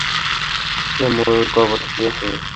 সে ময়ূর কবর দিয়েছে।